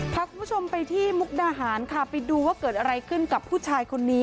พาคุณผู้ชมไปที่มุกดาหารค่ะไปดูว่าเกิดอะไรขึ้นกับผู้ชายคนนี้